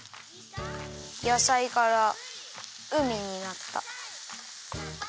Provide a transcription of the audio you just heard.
やさいから海になった！